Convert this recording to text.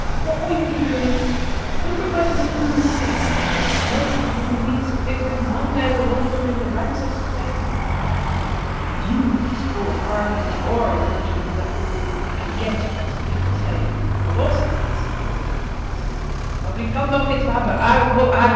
What would you be doing? Who provides you with food, education, clothes, and all the means of figuring one day with honour in the ranks of society? But you must pull hard at the oar if you're to do that, and get, as, people say, callosities upon your hands. Fabricando fit faber, age quod agis."